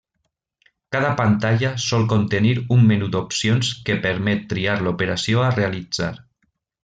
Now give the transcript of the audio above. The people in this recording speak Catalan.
Cada pantalla sol contenir un menú d'opcions que permet triar l'operació a realitzar.